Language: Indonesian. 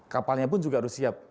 kapalnya pun juga harus siap